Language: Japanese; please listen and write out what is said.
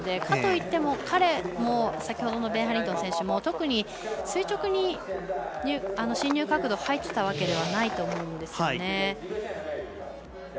かといって、彼も先ほどのベン・ハリントン選手も特に垂直に進入角度入ってたわけではないと思うんですよね。